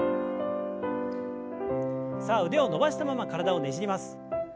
さあ腕を伸ばしたまま体をねじります。